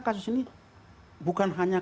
kasus ini bukan hanya